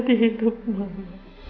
di hidup mama